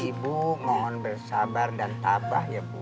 ibu mohon bersabar dan tabah ya bu